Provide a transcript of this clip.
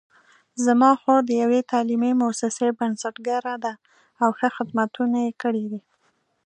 زما خور د یوې تعلیمي مؤسسې بنسټګره ده او ښه خدمتونه یې کړي دي